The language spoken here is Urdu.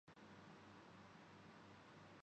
اس کو چیتا کے نام سے ہی سنتے آرہے ہیں